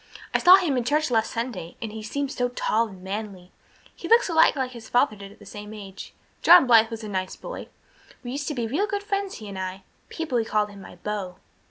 "I saw him in church last Sunday and he seemed so tall and manly. He looks a lot like his father did at the same age. John Blythe was a nice boy. We used to be real good friends, he and I. People called him my beau."